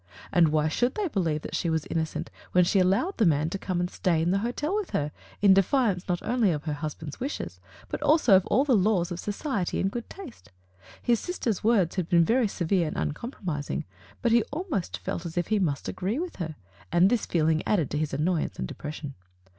And why should they believe that she was innocent when she allowed the man to come and stay in the hotel with her, in defiance, not only of her husband's wishes, but also of all the laws of soci ety and good taste? His sister's words had been very severe and uncompromising, but he almost felt as if he must agree with her, and this feeling added to his annoyance and depression.